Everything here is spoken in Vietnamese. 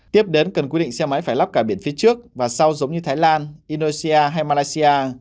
tiếp đến cần quy định xe máy phải lắp cả biển phía trước và sau giống như thái lan indonesia hay malaysia